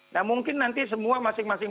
nah mungkin nanti semua masing masing